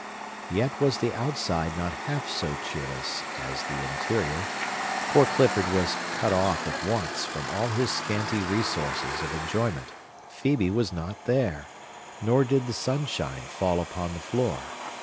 Yet was the outside not half so cheerless as the interior. Poor Clifford was cut off, at once, from all his scanty resources of enjoyment. Phœbe was not there; nor did the sunshine fall upon the floor.